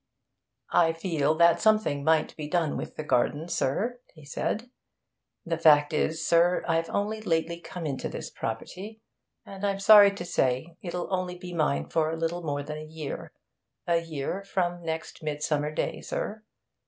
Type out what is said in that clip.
'I feel that something might be done with the garden, sir,' he said. 'The fact is, sir, I've only lately come into this property, and I'm sorry to say it'll only be mine for a little more than a year a year from next midsummer day, sir.